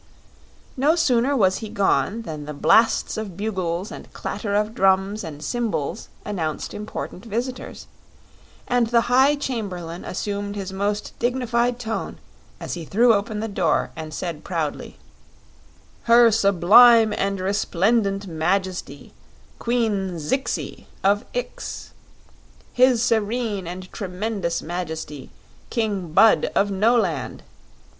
No sooner was he gone than the blasts of bugles and clatter of drums and cymbals announced important visitors, and the High Chamberlain assumed his most dignified tone as he threw open the door and said proudly: "Her Sublime and Resplendent Majesty, Queen Zixi of Ix! His Serene and Tremendous Majesty, King Bud of Noland.